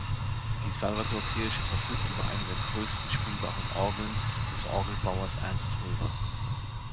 Die Salvatorkirche verfügt über eine der größten spielbaren Orgeln des Orgelbauers Ernst Röver.